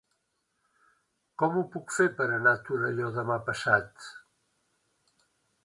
Com ho puc fer per anar a Torelló demà passat?